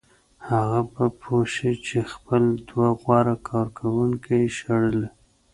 هغه به پوه شي چې خپل دوه غوره کارکوونکي یې شړلي